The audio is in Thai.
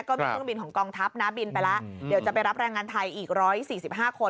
ก็มีเครื่องบินของกองทัพนะบินไปแล้วเดี๋ยวจะไปรับแรงงานไทยอีก๑๔๕คน